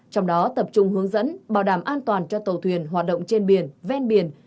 trong đó tập trung hướng dẫn bảo đảm an toàn cho tàu thuyền hoạt động trên biển ven biển